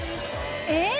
えっ！？